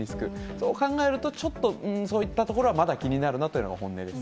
そう考えると、ちょっとそういったところは、まだ気になるなというのが本音です。